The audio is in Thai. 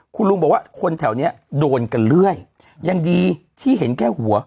คุณลุงบอกว่าคนแถวเนี้ยโดนกันเรื่อยยังดีที่เห็นแค่หัว